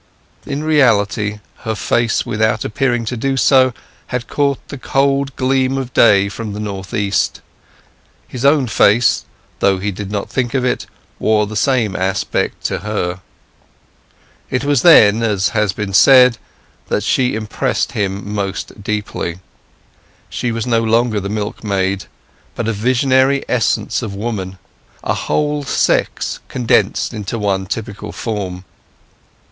In reality her face, without appearing to do so, had caught the cold gleam of day from the north east; his own face, though he did not think of it, wore the same aspect to her. It was then, as has been said, that she impressed him most deeply. She was no longer the milkmaid, but a visionary essence of woman—a whole sex condensed into one typical form.